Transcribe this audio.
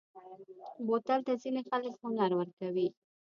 بوتل ته ځینې خلک هنر ورکوي.